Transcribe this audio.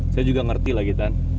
saya juga ngerti lagi kan